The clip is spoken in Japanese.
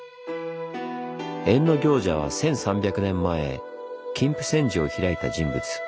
役行者は１３００年前金峯山寺を開いた人物。